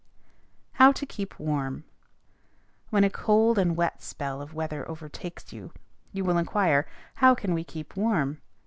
HOW TO KEEP WARM. When a cold and wet spell of weather overtakes you, you will inquire, "How can we keep warm?"